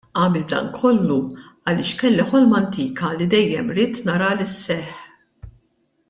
Għamilt dan kollu għaliex kelli ħolma antika li dejjem ridt nara li sseħħ.